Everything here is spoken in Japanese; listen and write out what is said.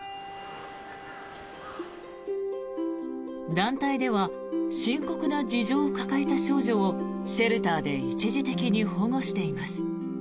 団体では深刻な事情を抱えた少女をシェルターで一時的に保護しています。